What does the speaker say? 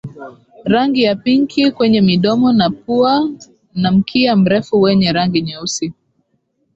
Rangi ya pinki kwenye midomo na pua na mkia mrefu wenye rangi nyeusi